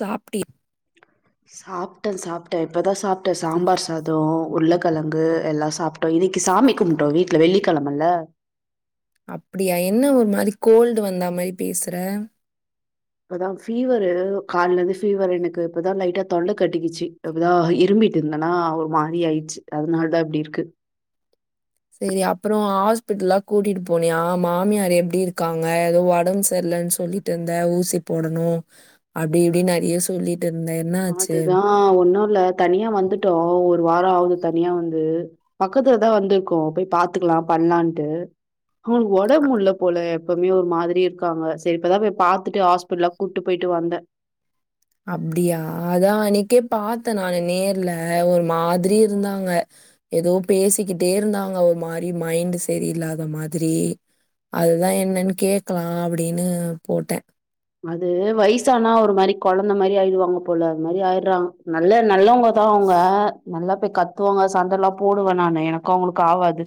சாப்ட்டி சாப்ட்ட சாப்ட்ட இப்பதா சாப்ட்ட சாம்பார் சாதோ உர்ழக்கெழங்கு எல்லா சாப் இன்னிக்கி சாமி கும்ட்டோ வீட்ல வெள்ளிக்கெழமல்ல அப்டியா என்ன ஒரு மாதி கோல்டு வந்தா மாரி பேசுற இப்பதா ஃபீவரு காலைல இந்து ஃபீவர் எனக்கு இப்பதா லைட்டா தொண்ட கட்டிகிச்சி இப்பதா இரும்பீட்டு இருந்தனா ஒரு மாரி ஆயிச்சு அதனால் தா இப்டி இருக்கு சரி அப்பறோ ஹாஸ்பிட்டல்லா கூட்டிட்டு போனியா மாமியார் எப்டி இருக்காங்க ஏதோ ஒடம் செர்லன் சொல்லி ட்டிந்த ஊசி போடணு அப்டி இப்டி நெறையா சொல்லிட்டிருந்த என்னா ஆச்சிம் ஆ ஒன்னு இல்ல தனியா வந்துட்டோ ஒரு வாரோ ஆவுது தனியா வந்து பக்கத்துலதா வந்துருக்கோ போய் பாத்துக்கலா பண்லான்ட்டு ஹவள் ஒடம் முட்ல போல எப்பம்யு ஒரு மாதிரி இருக்காங்க சரி இப்பதா போய் பாத்துட்டு ஹாஸ்பிடல்லா கூட்டு போயிட்டு வந்த அப்டியா அதா அன்னிகே பாத்த நானு நேர்ல ஒரு மாதிரி இருந்தாங்க ஏதோ பேசிக்கிட்டே இருந்தாங்க ஒ மாரி மைண்ட் செரியில்லாத மாதிரி அதுதா என்னன்னு கேக்லா அப்டின்னு போட்ட அது வயசானா ஒரு மாரி கொழந்த மாரி ஆயிருவாங்க போல அது மாரி ஆய்றா நல்ல நல்லவங்க தவுங்க நல்லா போய் கத்துவாங்க சண்ட எல்லா போடுவ நானு எனக்கு அவுங்களுக்கு ஆவாது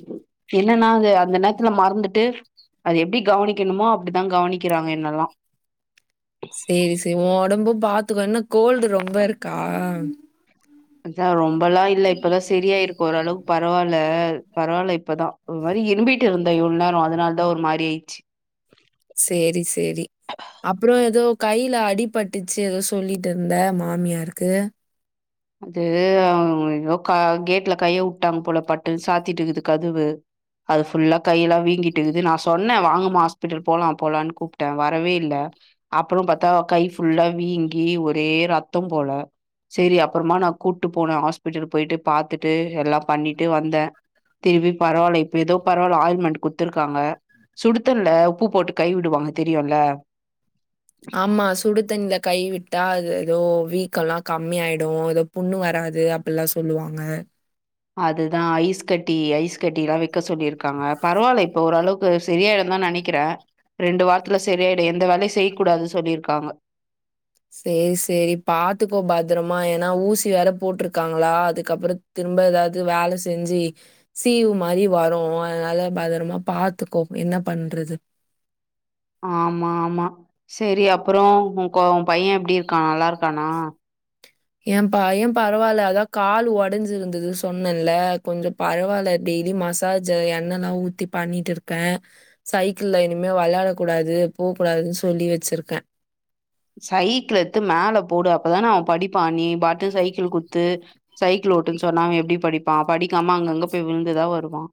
என்னனா அது அந்த நேரத்துல மறந்துட்டு அது எப்டி கவனிக்கணுமோ அப்டிதா கவனிக்கிறாங்க என்னல்லா செரி செ உ ஒடம்பு பாத்துக்கோ என்ன கோல்டு ரொம்ப இருக்கா அஞ்சா ரொம்பல்லா இல்ல இப்பதா செரியாயிருக்கு ஓரளவுக் பரவால்ல பரவால்ல இப்பதா ஒரு மாரி இரும்பிட்டு இருந்தே இவ்ளோ நேரோ அதுனால தா ஒரு மாரி ஆயிச்சு செரி செரி அப்புறோ எதோ கைல அடிபட்டுச்சு எதோ சொல்லிட்டு இருந்த மாமியாருக்கு அது அவுங்க எதோ கா கேட்ல கைய உட்டாங்க போல பட்டுனு சாத்திட்டுகிது கதுவு அது ஃபுல்லா கையெல்லா வீங்கிட்டுக்கிது நா சொன்னே வாங்கமா ஹாஸ்பிட்டல் போலா போலாமான்னு கூப்ட்டே வரவே இல்ல அப்புறோ பாத்தா கை ஃபுல்லா வீங்கி ஒரே ரத்தம் போல செரி அப் றமா நா கூட்டு போனே ஹாஸ்பிட்டல் போயிட்டு பாத்துட்டு எல்லா பண்ணிட்டு வந்தே திருபி பரவால இப்ப எதோ பரவால ஆயில்மெண்ட் குத்துருக்காங்க சுடுதண்ல உப்பு போட்டு கை விடுவாங்க தெரியுல்ல ஆமா சுடு தண்ணில கைவிட்டா அது ஏதோ வீக்கலா கம்மியாயிடு எதோ புண்ணு வராது அப்பில்லா சொல்லுவாங்க அதுதா ஐஸ் கட்டி ஐஸ் கட்டி எல்லா வெக்க சொல்லியிருக்காங்க பரவால்ல இப்ப ஓரளவுக் செரியாயிடு தா நெனைக்கிற ரெண்டு வாரத்துல செரியாயிடு எந்த வேலையு செய் கூடாது சொல்லிருக்காங்க செரி செரி பாத்துக்கோ பத்திரமா ஏனா ஊசி வேற போட்ருக்காங்ளா அதுக்கப்பற திரும்ப எதாவது வேல செஞ்சி சீவு மாரி வரு அதனால பதரமா பாத்துக்கோ என்ன பண்றது ஆமா ஆமா செரி அப்றோ உ கோ உன் பைய எப்டிருக்கா நல்லாருக்கானா ஏ பைய பரவால்ல அதா கால் ஒடஞ்சிருந்தது சொன்னேல கொஞ்சோ பரவால்ல டெய்லி மசாஜ் எண்ணல்லா ஊத்தி பண்ணிட்டுருக்க சைக்கிள்ல இனிமே வெளையாடக் கூடாது போ கூடாதுன்னு சொல்லி வெச்சிருக்க சைக்கிள எத்து மேல போடு அப்பதானே அவன் படிப்பா நீ பாட்டு சைக்கிள் குத்து சைக்கிள் ஓட்டுன்னு சொன்னா அவன் எப்டி படிப்பா படிக்காம அங்கங்க பேய் விழுந்துதா வருவா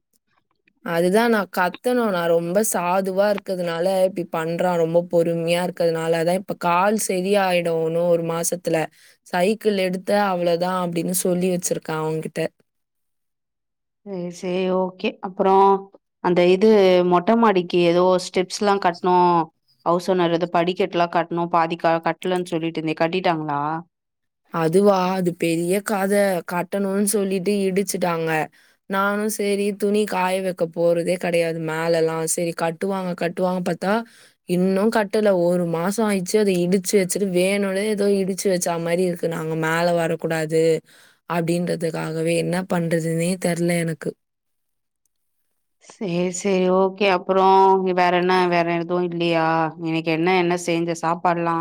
அதுதா நா கத்தனு நா ரொம்ப சாதுவா இருக்கதுனால இப்டி பண்றா ரொம்ப பொறும்யாருக் கதுனால தான இப்ப கால் செரியாயிடும் உனும் ஒரு மாசத்துல சைக்கிள் எடுத்த அவ்ளோதா அப்டின்னு சொல்லி வச்சிருக்க அவங்கிட்ட சேர் சேர் ஓக்கே அப்புறோ அந்த இது மொட்ட மாடிக்கு எதோ ஸ்டெப்ஸ்லா கட்ணு அவுஸ் ஓனர் எதோ படிக்கட்லா கட்ணு பாதிக்கா கட்டலன்னு சொல்லிட்டு இருந்தயே கட்டிட்டாங்ளா அதுவா அது பெரிய கத கட்டனுன் சொல்லிட்டு இடிச்சுட்டாங்க நானு செரி துணி காய வைக்க போறதே கெடையாது மேலல்லா சரி கட் டுவாங்க கட்டுவாங்க பாத்தா இன்னு கட்டல ஒரு மாசோ ஆயிச்சு அத இடிச்சு வச்சுட்டு வேணுனே ஏதோ இடிச்சு வச்சா மாரி இருக்கு நாங்க மேல வரக்கூடாது அப்டின்றதுக்காகவே என்ன பண்றதுன்னே தெர்ல எனக்கு சேர் சேரி ஓக்கே அப்புறோ வேறென்ன வேற எதுவும் இ ல்லையா இன்னைக்கு என்ன என்ன செஞ்ச சாப்பாடுலா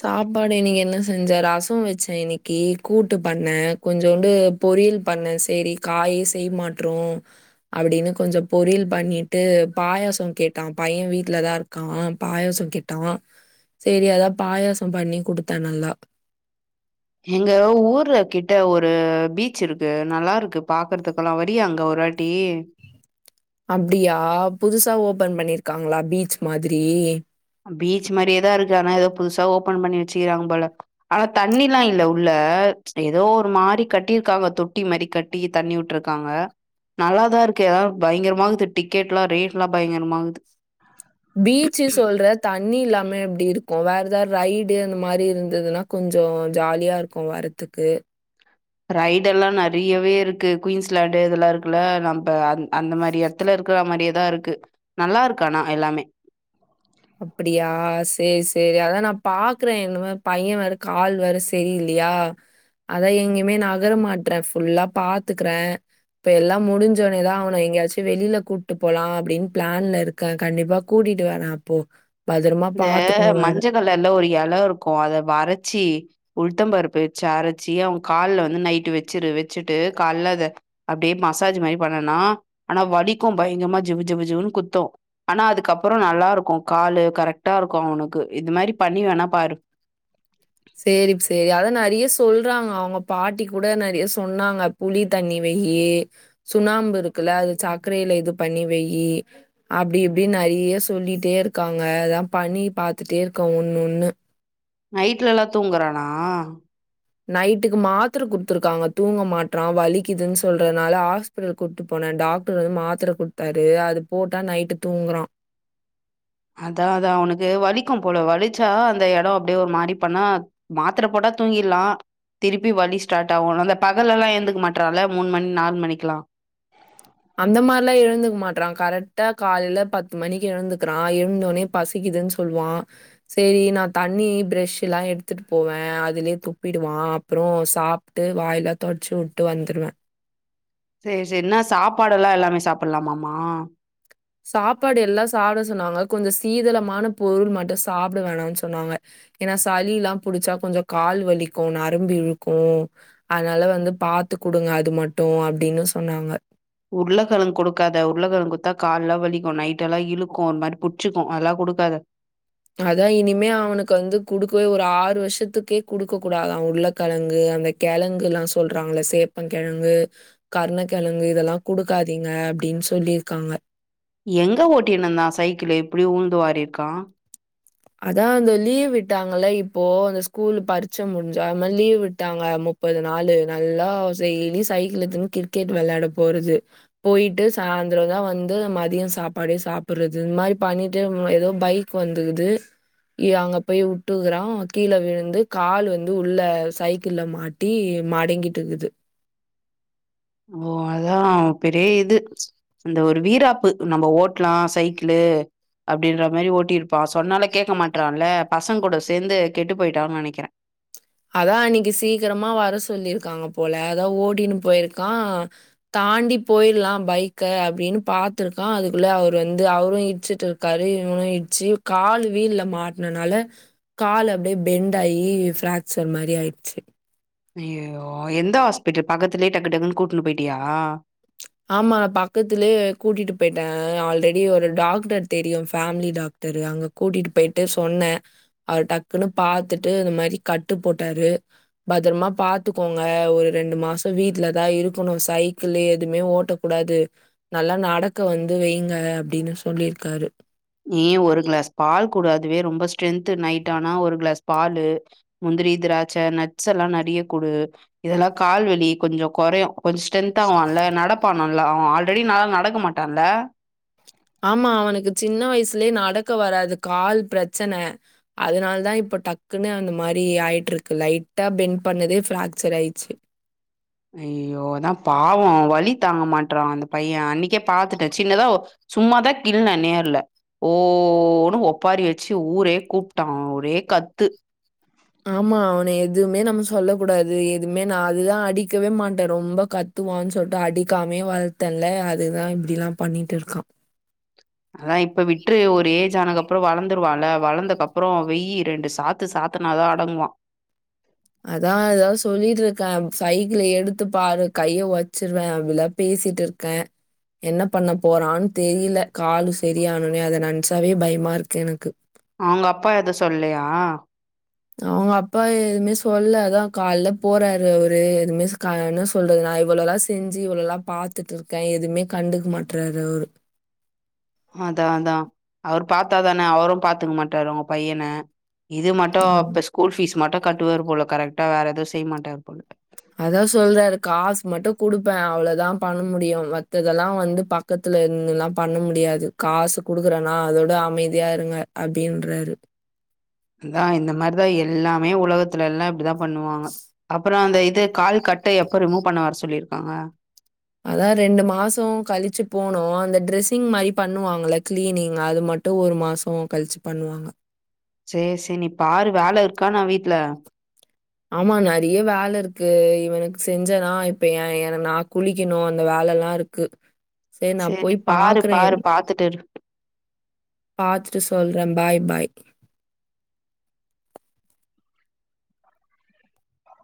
சாப்பாடு இன்னைக்கு என்ன செஞ்ச ரசோ வச்சே இன்னைக்கு கூட்டு பண்ண கொஞ்சோண்டு பொரியல் பண்ண சரி காயே செய்மாட்றோ அப்டின்னு கொஞ்சோ பொரியல் பண்ணிட்டு பாயாசோ கேட்டா பையன் வீட்லதா இரு கா பாயாசோ கேட்ன் செரி அதா பாயாசோ பண்ணி குடுத்தே நல்லா எங்க ஊர்ல கிட்ட ஒரு பீச் இருக்கு நல்லா இருக்கு பாக்றதுக்கல்லா வரியா அங்க ஒரு வாட் டி அப்டியா புதுசா ஓப்பன் பண்ணிருக்காங்ளா பீச் மாதிரி பீச் மாரியேதா இருக்கு ஆனா ஏதோ புதுசா ஓப்பன் பண்ணி வச்சுக்கிறாங்க போல ஆனா தண்ணில்லா இல்ல உள்ள எதோ ஒரு மாரி கட்டிருக்காங்க தொட்டி மாரி கட் டி தண்ணி உட்ருக்காங்க நல்லாதா இருக்கு ஏதாது பயங்கரமாகிது டிக்கெட்லா ரேட்டாலா பயங்கரமாகிது பீச்சு சொல்ற தண்ணி இல்லாம எப்டிருக் கோ வேற எதாது ரைடு அந்த மாரி இருந்ததுன்னா கொஞ்சோ ஜாலியா இருக்கு வரதுக்கு ரைடெல்லா நறையவே இருக்கு குயின்ஸ்லாண்டு இதெல்லா இருக்குல்ல நம்ப அ அந்த மாரி எட்த் இதுல இருக்கிற மாரியேதா இருக்கு நல்லா இருக்கு ஆனா எல்லாமே அப்டியா சேரி சேரி அதா நா பாக்குறே இந்தமாரி பய்ய வேற கால் வேற சே சரியில்லையா அதா எங்கேயுமே நகர மாட்றே ஃபுல்லா பாத்துக்குற இப்ப எல்லா முடிஞ்சவுட்னேதா அவன எங்கயாச்சு வெளில கூட்டு போலா அப்டின்னு பிளான்ல இரு க கண்டிப்பா கூட்டிட்டு வரே அப்போ பத்தரமா பாத்துக்கணு வேற நல்ல ஒரு எல இருக்கு அத அரச்சி உளுதம்பருப்பு வச்சு அரைச்சி அவ கால்ல வந்து நைட்டு வச்சிரு வச்சுட்டு கால்ல அத அப்டியே மசாஜ் மாரி பண்ணனா ஆனா வலிக்கு பயங்கமா ஜிவு ஜிவு ஜிவுன்னு குத்து ஆனா அதுக்கப்புற நல்லா இருக்கு காலு கரெக்ட்டா இருக்கு அவனுக்கு இது மாரி பண்ணி வேணா பாரு செரி செரி அத நெறைய சொல்றாங்க அவங்க பாட்டி கூட நெறைய சொன்னாங்க புளி தண்ணி வைய்யி சுண்ணாம்பு இருக்குல்ல அது சக்கரையில இது பண்ணி வைய்யி அப்டி இப்டின் நெறைய சொல்லிட்டே இருக்காங்க அதா பண்ணி பாத்துட்டே இருக்க ஒன்னு ஒன்னு நைட்லல்லா தூங்குறானா நைட்டுக்கு மாத்ர குட்த்துருக்காங்க தூங்க மாட்ரா வலிக்குதுன்னு சொல்றனால ஆஸ் ஹாஸ்பிடல் கூட்டு போனே டாக்டர் வந்து மாத்ர குடுத்தாரு அது போட்டா நைட்டு தூங்குறா அதா அது அவனுக்கு வலிக்கும் போல வலிச்சா அந்த எட அப்டியே ஒரு மாரி பண்ணா மாத்ர போட்டா தூங்கிர்லா திருப்பி வலி ஸ்டார்ட் ஆகு அந்த பகல்லலா எந்துக்க மாட்றான்ல மூணு மணி நாலு மணிக்குலா அந்த மாரிலா எழுந்துக்க மாட்றா கரெக்டா காலைல பத்து மணிக்கு எழுந்துக்குறா எழுந்தோனே பசிக்குதுன்னு சொல்வா செரி நா தண்ணி பிரஷுலா எடுத்துட்டு போவே அதுலயே துப்பிடுவா அப்புறோ சாப் ட்டு வாயிலா தொட்ச்சு வுட்டு வந்துருவ செரி செரி இன்ன சாப்பாடுல்லா எல்லாமே சாப்லாமாமா சாப்பாடு எல்லா சாப்ட சொன்னாங்க கொஞ்சோ சீதளமான பொருள் மட்டு சாப்ட வேணானு சொன்னாங்க ஏன்னா சளிலா புடிச்சா கொஞ்சோ கால் வலிக்கு நரம்பு இழுக்கு அதனால வந்து பாத்து குடுங்க அது மட்டு அப்டின்னு சொன்னாங்க உருளகெழங்கு குடுக்காத உருளகெழங்கு குத்தா கால்லா வலிக்கு நைட் எல்லா இழுக்கு ஒரு மாரி புடிச்சிக்கு அதெல்லா குடுக்காத அதா இனிமே அவனுக்கு வந்து குடுக்கவே ஒரு ஆறு வருஷத்துக்கே குடுக்க கூடாதா உருளகெழங்கு அந்த கெழங்குல்லா சொல்றாங்கள சேப்பன் கெழங்கு கர்ணகெழங்கு இதெல்லா குடுக்காதீங்க அப்டின்னு சொல்லிருக்காங்க எங்க ஓட்டினுந்தா சைக்கிலு இப்டி உழுந்து வாரி இருக்கா அதா அந்த லீவ் விட்டாங்கல்ல இப்போ அந்த ஸ்கூல் பரிச்ச முடிஞ் அது மாரி லீவ் விட்டாங்க முப் ப்பது நாலு நல்லா டெய்லி சைக்கிள் எடுதுன்னு கிரிக்கெட் வெளையாட போறது போயிட்டு சாயந்திர தா வந்து அந்த மதிய சாப்பாடே சாப்டுறது இந்த மாரி பண்ணிட்டு ஏதோ பைக் வந்துக்குது இ அங்க போய் விட்டுக்கறா கீழே விழுந்து கால் வந்து உள்ள சைக்கிள்ல மாட் ட்டி மடங்கிட்டு இருக்குது ஓ அதா பெரிய இது அந்த ஒரு வீராப்பு நம்ப ஓட்லா சைக்கிளு அப்படின்ற மாரி ஓட்டியிருப்பா சொன்னாலோ கேட்க மாட்றால பசங்க கூட சேந்து கெட்டு போயிட்டான்னு நெனைக்கிறே அதா அன்னிக்கி சீக்கிரமா வர சொல்லியிருக்காங்க போல அதா ஓடின்னு போயிருக்கா தாண்டி போயிர்லா பைக்க அப்டின்னு பாத்துருக்கா அதுக்குள்ள அவர் வந்து அவரு இச்சுட்டு இரு காரு இவனு இட்சி கால் வீல்ல மாட்னனால கால் அப்டியே பெண்ட் ஆயி ஃபிராக்சர் மாரி ஆயிட்ச்சி அய்யயோ எந்த ஹாஸ்பிடல் பக்கத்துலேயே டக்கு டக்குன்னு கூட்னு போயிட்டியா ஆமா நா பக்கத்துலயே கூட்டிட்டு போயிட்டே ஆல்ரெடி ஒரு டாக்டர் தெரியு ஃபேமிலி டாக் டரு அங்க கூட்டிட்டு போயிட்டு சொன்ன அவர் டக்குன்னு பாத்துட்டு இந்த மாரி கட்டு போட்டாரு பத்திரமா பாத்துக்கோங்க ஒரு ரெண்டு மாசோ வீட்ல தா இருக்கணு சைக்கிள்லு எதுமே ஓட்ட கூடாது நல்லா நடக்க வந்து வைங்க அப்டின்னு சொல்லிருக்காரு நீ ஒரு கிளாஸ் பால் குடு அதுவே ரொம்ப ஸ்ட்ரென்த்து நைட் ஆனா ஒரு கிளாஸ் பால்லு முந்திரி, திராட்ச நட்ஸ் எல்லா நறைய குடு இதெல்லா கால்வெலி கொஞ்சோ கொறையு கொஞ்சோ ஸ்ட்ரன்த் ஆவான்ல நடப்பா நல்ல அவ ஆல்ரெடி நல்லா நடக்கமாட்டான்ல ஆமா அவனுக்கு சின்ன வயசுலயே நடக்க வராது கால் பிரச்சன அதனால தா இப்போ டக்குன்னு அந்த மாரி ஆயிட்டு இருக்கு லைட்டா பென் பண்ணதே ஃப்ராக்சர் ஆயிட்ச்சி ஐய்யயோ அதா பாவம் அவ வலி தாங்க மாட்றா அந்த பைய அன்னிக்கே பாத்துட்டே சின்னதா சும்மாதா கிள்ன நேர்ல ஓன்னு ஒப்பாரி வச்சு ஊரே கூப்ட்டா ஒரே கத்து ஆமா அவன எதுமே நம்ம சொல்ல கூடாது எதுமே நா அதுதா அடிக்கவே மாட்ட ரொம்ப கத் த்துவான்னு சொல்ட்டு அடிக்காமே வளத்தன்ல அதுதா இப்டிலா பண்ணிட்டு இருக்கா அதா இப்ப விட்று ஒரு ஏஜ் ஆனக்கப்பறோ வளந்துருவான்ல வளந்தக்கப்பறோ வெய் ரெண்டு சாத் து சாத்துனா தா அடங்குவா அதா அதா சொல்லிட்ருக்கே சைக்கிள எடுத்து பாரு கைய ஒட்சிருவே அப்டிலா பேசிட்டுருக் க என்ன பண்ண போறான்னு தெரில கால் சரியானோனே அத நன்ச்சாவே பயமா இருக்கு எனக்கு அவங்க அப்பா எது சொல்லயா அவங்க அப்பா எதுமே சொல்ல அதா கால்ல போறாரு அவரு எதுமே கா என்ன சொல்றது நா இவ்ளோலா செஞ்சி இவ்ளோல்லா பாத்துட்டுருக்கே எதுமே கண்டுக்க மாட்றாரு அவரு அதா அதா அவர் பாத்தாதானே அவரு பாத்துக்க மாட்டாரு உங்க பையன இது மட்டு ம். இப்ப ஸ்கூல் ஃபீஸ் மட்டு கட்டுவாரு போல கரெக்டா வேற ஏது செய்ய மாட்டார்போல அதா சொல்றாரு காசு மட்டு குடுப்பே அவ்ளோதா பண்ண முடியு மத்ததெல்லா வந்து ப க்கத்துல நின்னுலா பண்ண முடியாது காசு குடுக்கறனா அதோட அமைதியா இருங்க அப்டின்றாரு அதா இந்த மாரிதா எல்லாமே உலகத்துல எல்லா இப்டிதா பண்ணுவாங்க அப்ப றோ அந்த இது கால் கட்ட எப்ப ரிமூவ் பண்ண வர சொல்லிருக்காங்க அதா ரெண்டு மாசோ கழிச்சு போணு அந்த ட்ரெஸ்ஸிங் மாரி பண்ணுவாங்களே கிளீனிங் அது மட் டு ஒரு மாசம் கழிச்சு பண்ணுவாங்க சேரி சேரி நீ பாரு வேல இருக்கா என்ன வீட்ல ஆமா நறைய வேல இருக்கு இவனுக்கு செஞ்சனா இப்ப ஏ ஏ எனக்கு நா குளிக்கணு அந்த வேல எல்லா இரு க்கு சேரி நா போய் நீ பாரு பாக்குறே பாரு பாத்துட்டு இரு பாத்துட்டு சொல்றே பாய் பாய்